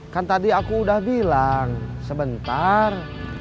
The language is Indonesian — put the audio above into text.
kan tadi aku udah bilang sebentar